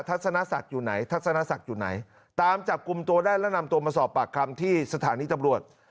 ทัศนศักดิ์อยู่ไหนตามจับกุมตัวได้แล้วนำตัวมาสอบปากคำที่สถานีจำรวจ